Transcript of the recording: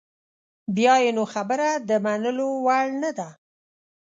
بیا یې نو خبره د منلو وړ نده.